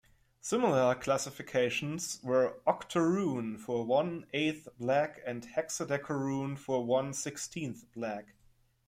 Similar classifications were octoroon for one eighth black and hexadecaroon for one sixteenth black.